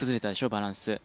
バランス。